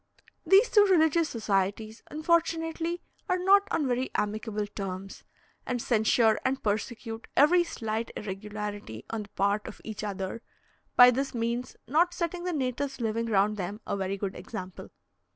These two religious societies, unfortunately, are not on very amicable terms, and censure and persecute every slight irregularity on the part of each other; by this means not setting the natives living round them a very good example.